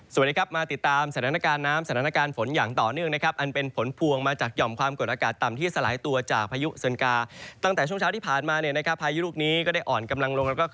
สวัสดีครับมาติดตามแสดงน้ำกาลน้ำแสดงน้ำกาลฝนอย่างต่อ